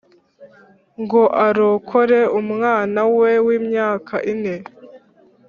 ngo arokore umwana we w’imyaka ine.